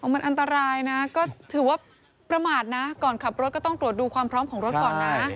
มันอันตรายนะก็ถือว่าประมาทนะก่อนขับรถก็ต้องตรวจดูความพร้อมของรถก่อนนะ